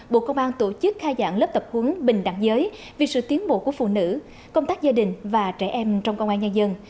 bộ công an tổ chức khai giảng lớp tập huấn bình đảng giới về sự tiến bộ của phụ nữ công tác gia đình và trẻ em trong công an nhà dân